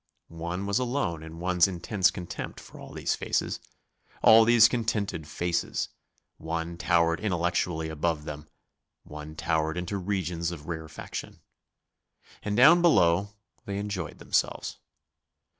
One was alone in one's intense contempt for all these faces, all these contented faces; one towered intellectually above them; one towered into regions of rarefaction. And down below they enjoyed themselves.